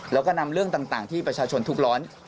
แล้วก็นำเรื่องต่างที่ประชาชนทุกร้อน